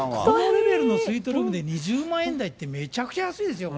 ホテルのスイートルームで２０万円台って、めちゃくちゃ安いですよ。